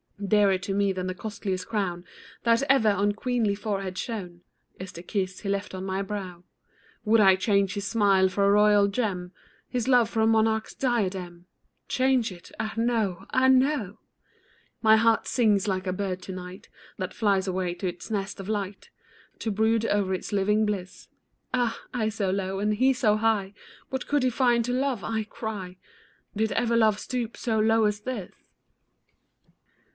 Dearer to me than the costliest crown That ever on queenly forehead shone Is the kiss he left on my brow; Would I change his smile for a royal gem? His love for a monarch's diadem? Change it? Ah, no, ah, no! My heart sings like a bird to night That flies away to its nest of light To brood o'er its living bliss; Ah! I so low, and he so high, What could he find to love? I cry, Did ever love stoop so low as this?